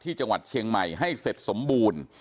จังหวัดเชียงใหม่ให้เสร็จสมบูรณ์